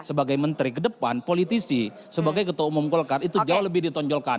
sebagai menteri ke depan politisi sebagai ketua umum golkar itu jauh lebih ditonjolkan